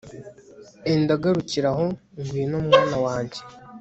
enda garukira aho ngwino mwana wanjye